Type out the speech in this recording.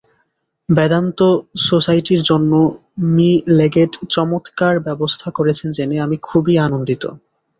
বেদান্ত সোসাইটির জন্য Mr Leggett চমৎকার ব্যবস্থা করেছেন জেনে আমি খুবই আনন্দিত।